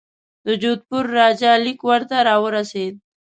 د جودپور راجا لیک ورته را ورسېد.